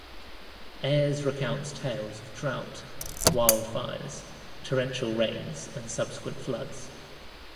Ayres recounts tales of drought, wildfires, torrential rains, and subsequent floods.